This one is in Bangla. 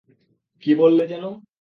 কী বললে যেন?